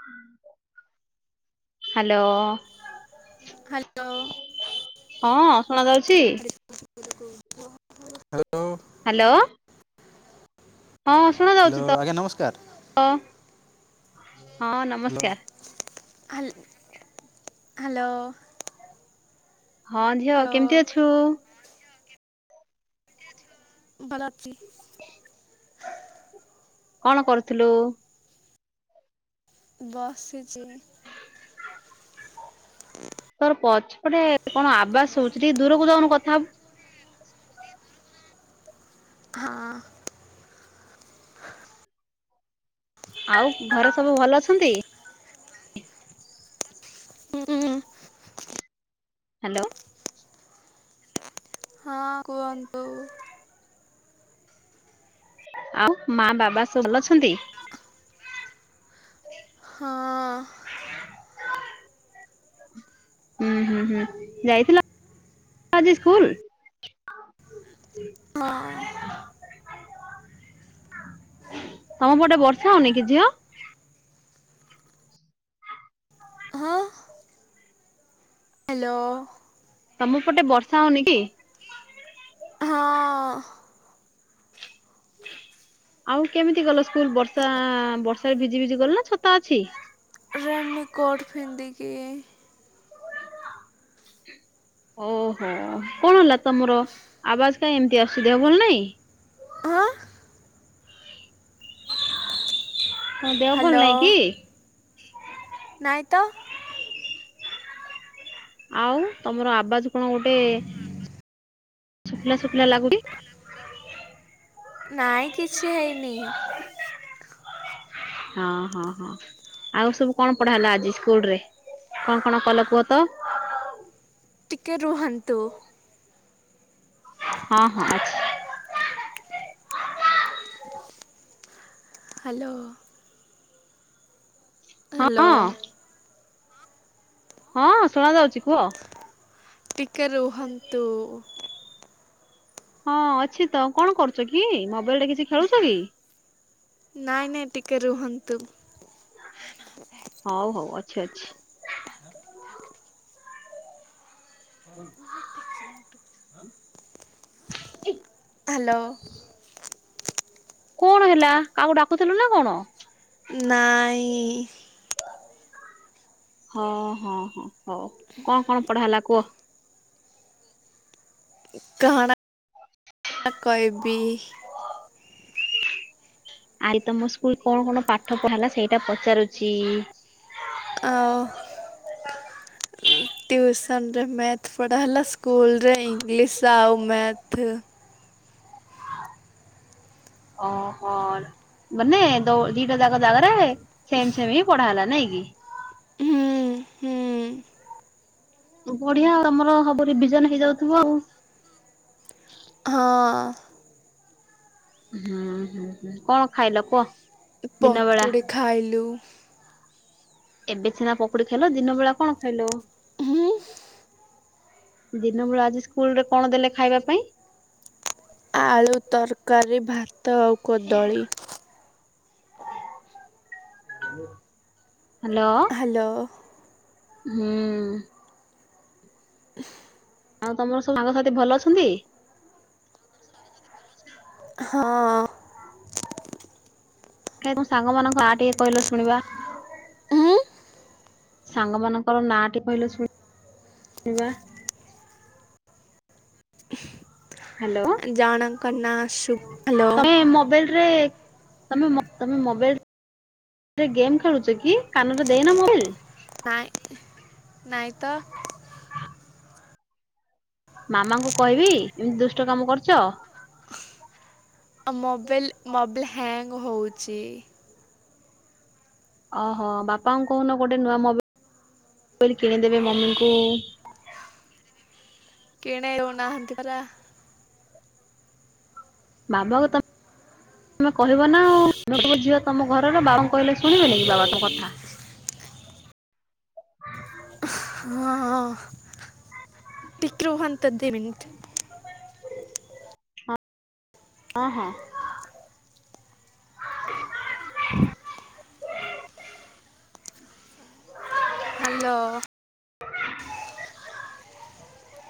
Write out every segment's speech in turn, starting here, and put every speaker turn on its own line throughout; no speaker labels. ହୁଁ। Hello
hello.
ହଁ ଶୁଣା ଯାଉଛି।
ହ୍ୟାଲୋ।
ହ୍ୟାଲୋ। ହଁ ଶୁଣା
ହ୍ୟାଲୋ
ଯାଉଛି ତ।
ଆଜ୍ଞା ନମସ୍କାର
ହଁ ନମସ୍କାର।
ହାଲ ହ୍ୟାଲୋ।
ହଁ ଝିଅ
ହ୍ୟାଲୋ
କେମିତି ଅଛୁ?
ବାଲାତି
କଣ କରୁଥିଲୁ?
ବସଚି। ହଁ
ତୋର ପଛପଟେ କଣ ଆବାସ ହଉଚି ଟିକେ ଦୂରକୁ ଯାଉନୁ କଥା ହବୁ।
ହଁ।
ଆଉ ଘରେ ସବୁ ଭଲ ଅଛନ୍ତି।
ଉଁ ଉଁ।
ହ୍ୟାଲୋ
ହଁ କୁହନ୍ତୁ।
ଆଉ ମା ବାବା ସବୁ ଭଲ ଅଛନ୍ତି।
ହଁ।
ହୁଁ ହୁଁ ହୁଁ ଯାଇଥିଲା ଜି ସ୍କୁଲ
ହଁ।
ତମ ପଟେ ବର୍ଷା ହଉନି କି ଝିଅ?
ହଁ ହ୍ୟାଲୋ
ତମ ପଟେ ବର୍ଷା ହଉନି କି?
ହଁ।
ଆଉ କେମିତି ଗଲ ସ୍କୁଲ ବର୍ଷା ବର୍ଷାରେ ଭିଜି ଭିଜି ଗଲ ନା ଛତା ଅଛି।
ରେନି କୋଟ ପିନ୍ଧିକି।
ଓହୋ କଣ ହେଲା ତମର ଆବାଜ କାହିଁ ଏମତି ଆସଚି ଭଲ ନାଇଁ?
ହଁ
ହଁ ଦେହ ଭଲ
ହ୍ୟାଲୋ
ନହିଁ କି?
ତ୍ତ।
ଆଉ ତମର ଆବାଜ କଣ ଗୋଟେ ଶୁଖିଲା ଶୁଖିଲା ଲାଗୁଚି।
ନାଇଁ କିଛି ହେଇନି।
ହଁ ହଁ ହଁ ଆଉ ସବୁ କଣ ପଢା ହେଲା ଆଜି ସ୍କୁଲ ରେ କଣ କଣ କଲେ କୁହ ତ?
ଟିକେ ରୁହନ୍ତୁ।
ହଁ ହଁ ଆଛା।
ହ୍ୟାଲୋ। ହ୍ୟାଲୋ।
ହଁ ହଁ ଶୁଣା ଯାଉଛି କୁହ।
ଟିକେ ରୁହନ୍ତୁ।
ହଁ ଅଛି ତ କଣ କରୁଛ କି ମୋବାଇଲ ରେ କିଛି ଖେଳୁଛ କି?
ନାଇଁ ନାଇଁ ଟିକେ ରୁହନ୍ତୁ।
ଛେଚି। [unintelligible] ଏକ୍।
ହ୍ୟାଲୋ।
କଣ ହେଲା କାହାକୁ ଡାକୁଥିଲୁ ନା କଣ?
ନାଇଁ।
ହଁ ହଁ ହଁ ହଉ କଣ କଣ ପଢା ହେଲା କୁହ?
କାହଣ କଇବି।
ଆଇ ତମ ସ୍କୁଲ କଣ କଣ ପାଠ ପଢା ହେଲା ସେଇଟା ପଚାରୁଚି?
ଆଉ ଟ୍ୟୁସନ ରେ ମ୍ୟାଥ ପଢ଼ା ହେଲା ସ୍କୁଲ ରେ ଇଂଲିଶ ଆଉ। ମାଥ୍।
ଓହୋ ମାନେ ଦିଟା ଯାକ ଜାଗାରେ ସେମ ସେମ ବି ପଢା ହେଲା ନାଇଁ କି?
ହୁଁ ହୁଁ
ବଢିଆ ଆ ତମର ସବ ରିବିଜନ ହେଇଯାଉଥିବ ଆଉ।
ହଁ
ହୁଁ ହୁଁ ହୁଁ କଣ ଖାଇଲ କୁହ? ଦିନ
ପକ୍,
ବେଳା?
କୁଡ଼ି ଖାଇଲୁ।
ଏବେ ସିନା ପକୁଡି, ଖାଇଲ ୲ ଦିନ ବେଳା, କଣ ଖାଇଲ?
ହୁଁ
ଦିନ ବେଳା, ଆଜି ସ୍କୁଲରେ କଣ, ଦେଲେ ଖାଇବା ପାଇଁ?
ସେଉ, କଦଳୀ।
ହାଲୋ-
ହ୍ୟାଲୋ
ହୁଁ, ଆଉ, ତମର ସବୁ ସାଙ୍ଗ, ସାଥି ଭଲ ଅଛନ୍ତି?
ହଁ,
କାଇଁ, ତମ ସାଙ୍ଗମାନାନଙ୍କ, ଆ ଟିକେ, କହିଲ ଶୁଣିବା
ଉଁ
୲ସାଙ୍ଗ ମାନଙ୍କର, ନା ଟି କହିଲ, ଶୁ ଣିବା ୲ ହ୍ୟାଲୋ
ଜଣଙ୍କ ନା, ସୁପ୍ ଫୁଲ-
ତମେ ମୋବାଇଲ ରେ ତମେ ମୋ, ତମେ ମୋବାଇଲ, ରେ ଗେମ୍, ଖେଳୁଛ କି? କାନରେ ଦେଇନ, ମୋବାଇଲ?
ନାଇଁ ନାଇଁ, ତ-
ମାମାଙ୍କୁ, କହିବି ୲ ଏମିତି ଦୁଷ୍ଟ, କାମ କରୁଛ ୲
ଆ, ମୋବାଇଲ ମୋବ୍ଲାଁ, ହ୍ୟାଙ୍ଗ ହଉଛି ୲
ଓହୋ, ବାପାଙ୍କୁ କହୁନ ଗୋଟେ ନୂଆ, ମୋବାଇଲ କିଣିଦେବେ ମମିଙ୍କୁ ୲
କିଣେଇ ହେଉନାହାନ୍ତି, ପରା-
ବାବା, କୁ, ତମେ କହିବ ନା, ଆଉେ ଝିଅ, ତମ ଘରର ୲ବାବାଙ୍କୁ କହିଲେ ଶୁଣିବେନି, କି ବାବା ତୋ କଥା? [inaudible] ହ
ଟିକେ ରୁହନ୍ତୁ, ଦି ମିନିଟ୍-
ହ ହଁ, ହଁ-
ହ୍ୟାଲୋ,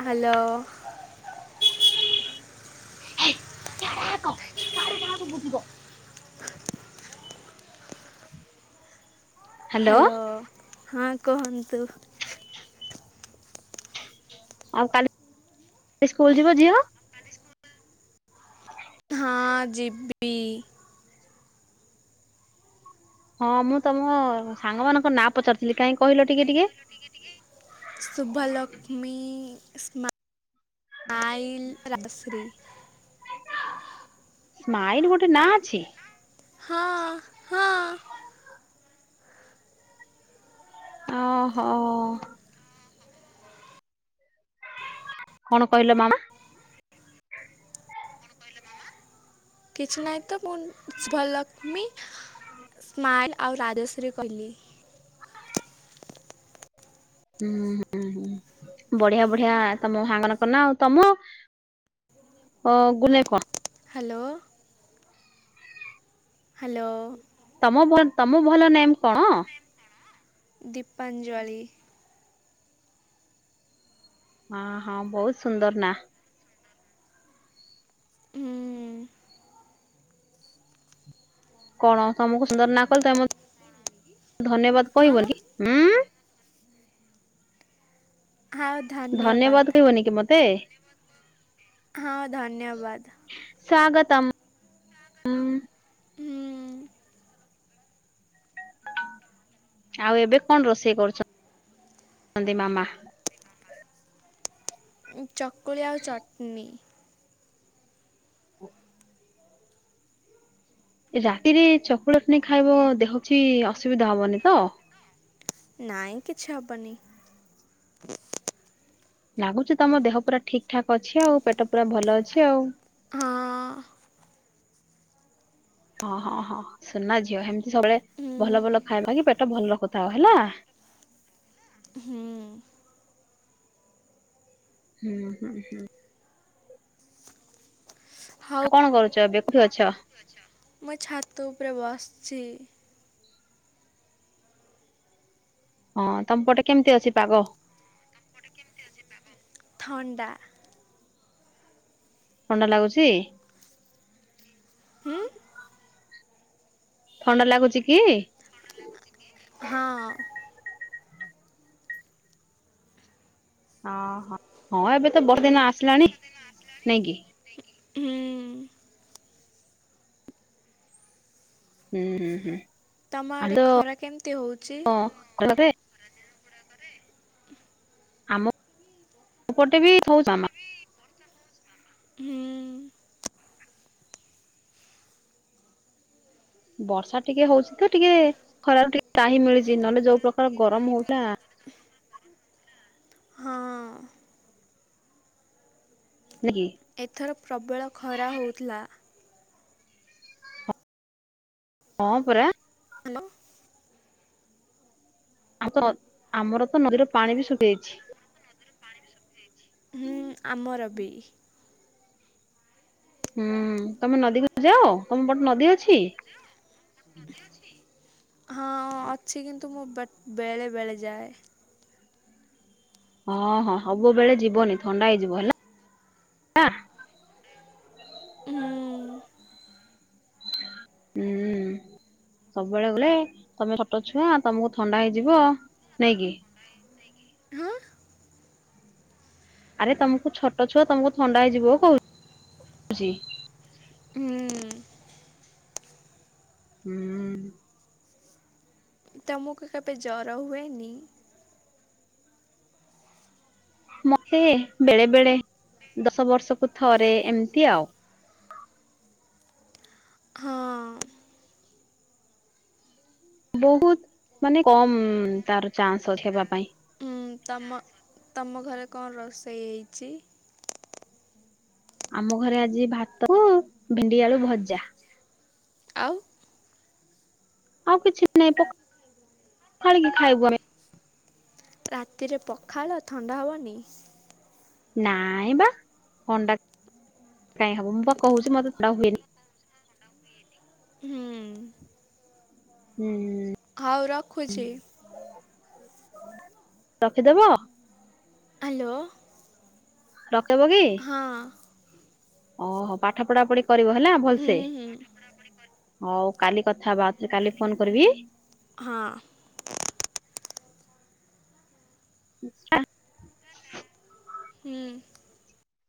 ହ୍ୟାଲୋ,
କ କାହାର ଯାହାକୁ ବୁଧି କ
ହ୍ୟାଲୋ, ହଁ, କୁହନ୍ତୁ ୲
ଆଉ କାଲି, ସ୍କୁଲ ଯିବ, ଝିଅ?
ହଁ, ଜିବି- ଇ
ହଁ, ମୁଁ ତମ ସାଙ୍ଗ ମାନଙ୍କ, ନାଁ ପଚାରି ଥିଲି ୲ କାଇଁ କହିଲ ଟିକେ, ଟିକେ-
ଶୁଭଲକ୍ଷ୍ମୀ ୲ ସ୍ମା ନାଇ ରଶ୍ରୀ
ସ୍ମାଇଲ, ଗୋଟେ ନାଁ, ଅଛି?
ହଁ, ହଁ-
ଓହୋ, କଣ, କହିଲ ମାମା?
କିଛି ନାହିଁ, ତ ମୁଁ ଶୁଭଲକ୍ଷ୍ମୀ, ସ୍ମାଇଲ୍ ଆଉ, ରାଜଶ୍ରୀ କହିଲି ୲
ହୁଁ, ହୁଁ, ହୁଁ ବଢିଆ, ବଢିଆ ୲ତମ ହାଙ୍ଗନ କନା, ଆଉ ତମ ଗୁଲେ, କୁହ-
ହ୍ୟାଲୋ। ହ୍ୟାଲୋ।
ତମ ତମ ଭଲ ନେମ କଣ?
ଦୀପାଞ୍ଜଳି।
ହଁ ହଁ ବହୁତ ସୁନ୍ଦର ନା। ହୁଁ। କଣ ତମକୁ ସୁନ୍ଦର ନା କହଲେ ତମ ଧନ୍ୟବାଦ
ହଁ
କହିବନି। ଧନ୍ୟବାଦ କହିବନି କି ମତେ?
ହଁ ଧନ୍ୟବାଦ।
ସ୍ୱାଗତମ୍।
ହୁଁ। [inaudible]
ଆଉ ଏବେ କଣ ରୋଷେଇ କରୁଛନ୍ତି ମାମା?
ଓ। [inaudible] ଚକୁଳି ଆଉ ଚଟଣି।
ରାତିରେ ଚକୋଲେଟ ନାହିଁ ଖାଇବ ହଉଛି ଅସୁବିଧା ହବନି ତ।
ନାଇଁ କିଛି ହବନି।
ଲାଗୁଛି ତମ ଦେହ ପୁରା ଠିକ ଠାକ ଅଛି ଆଉ ପେଟ ପୁରା ଭଲ ଅଛି ଆଉ।
ହଁ
ଓଁ ହଁ ହଁ ସୁନା ଝିଅ ଏମତି ସବୁବେଳେ
ଉଁ,
ଭଲ ଭଲ ଖାଇବା କି ପେଟ ଭଲ ରଖୁଥାଉ ହେଲା।
ହୁଁ
ହୁଁ ହୁଁ ହୁଁ।
ହଉ
କଣ କରୁଛ? ଠୁ ଅଛ। [inaudible]
ମୁଁ ଛାତ ଉପରେ ବସିଛି।
ହଁ ତମ ପଟେ କେମିତି ଅଛି ପାଗ?
ଥଣ୍ଡା।
ଥଣ୍ଡା ଲାଗୁଚି।
ହୁଁ
ଥଣ୍ଡା ଲାଗୁଚି କି?
ହଁ
ହ ହ ହଁ ଏବେ ତ ବହୁତ [unintelligible]
ହୁଁ,
ଦିନ ଆସିଲାଣି ନାଇକି?
ହୁଁ
ହୁଁ ହୁଁ ହୁଁ।
ତମ
ଆମେ
ଆଡେ ଖରା କେମିତି ହଉଛି?
ତ ଆମମପଟେ ବି ହଉ ଆ। [unintelligible]
ହୁଁ
ବର୍ଷା ଟିକେ ହଉଛି ତ ଟିକେ ଖରାରୁ ଟିକେ ତ୍ରାହି ମିଳୁଛି ନହେଲେ ଯୋଉ ପ୍ରକାର ଗରମ ହଉଥିଲା।
ହଁ
ନାଇକି
ଏଥର ପ୍ରବଳ ଖରା ହେଉଥିଲା।
ହଁ ପରା।
ହ୍ୟାଲୋ
ଆଉ ତ ଆମର ତ ନଦୀର ପାଣି ବି ଶୁଖି ଯାଇଛି।
ହୁଁ ଆମର ବି।
ହୁଁ ତମେ ନଦୀକୁ ଯାଅ ତମ ପଟେ ନଦୀ ଅଛି।
ହଁ ଅଛି କିନ୍ତୁ ମୁଁ ବେଳେ ବେଳେ ଯାଏ।
ହଁ ହଁ ସବୁବେଳେ ଯିବନି ଥଣ୍ଡା ହେଇଯିବ ହେଲା।
ହୁଁ
ହୁଁ ସବୁବେଳେ ଗଲେ ତମେ ଛୋଟ ଛୁଆ ତମକୁ ଥଣ୍ଡା ହେଇଯିବ ନାଇକି।
ହଁ
ଆରେ ତମକୁ ଛୋଟ ଛୁଆ ତମକୁ ଥଣ୍ଡା ହେଇଯିବ କହୁଛି।
ହୁଁ
ହୁଁ। [inaudible]
ତମକୁ କେବେ ଜର ହୁଏନି?
ମତେ ବେଳେ ବେଳେ ଦଶ ବର୍ଷକୁ ଥରେ ଏମିତି ଆଉ।
ହଁ
ବହୁତ ମାନେ କମ ତାର ଚାନ୍ସ ଅଛି ହେବା ପାଇଁ।
ଉଁ ତମ [unintelligible] ତମ ଘରେ କଣ ରୋଷେଇ ହେଇଛି?
ଆମ ଘରେ ଆଜି ଭାତ, ଭେଣ୍ଡି, ଆଳୁ ଭଜା।
ଆଉ।
ଆଉ କିଛି ନାଇଁ ପଖାଳିକି ଖାଇବୁ ଆମେ [inaudible]
ରାତିରେ ପଖାଳ ଥଣ୍ଡା ହେବନି?
ନାଇଁ ବା ଥଣ୍ଡା କାଇଁ ହବ ମୁଁ ବା କହୁଛି ମତେ ଥଣ୍ଡା ହୁଏନି।
ହୁଁ
ହୁଁ ହୁଁ।
ହଉ ରଖୁଛି।
ରଖିଦବ।
ହ୍ୟାଲୋ।
ରକ [inaudible]
ହଁ।
ଓହୋ ପାଠ ପଢା ପଢିକ କରିବ ହେଲା
ହୁଁ
ଭଲସେ
ହୁଁ
ହଉ। କାଲି କଥା ବା କାଲି ଫୋନ କରିବି ଇ।
ହଁ
ଆଛା।
ହୁଁ।